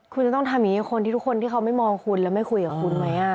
คุณจะต้องทำอย่างนี้กับคนที่ทุกคนที่เขาไม่มองคุณแล้วไม่คุยกับคุณไหม